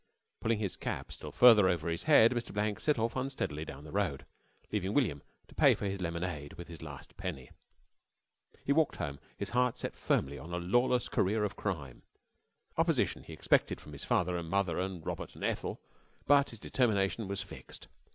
Pulling his cap still farther over his head, Mr. Blank set off unsteadily down the road, leaving William to pay for his lemonade with his last penny. He walked home, his heart set firmly on a lawless career of crime. Opposition he expected from his father and mother and Robert and Ethel, but his determination was fixed.